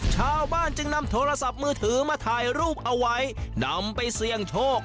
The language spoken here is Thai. ชาวบ้านจึงนำโทรศัพท์มือถือมาถ่ายรูปเอาไว้นำไปเสี่ยงโชค